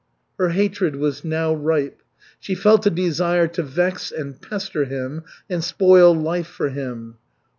Her hatred was now ripe. She felt a desire to vex and pester him and spoil life for him.